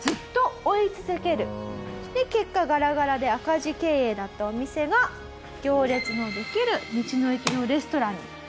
結果ガラガラで赤字経営だったお店が行列のできる道の駅のレストランになったと。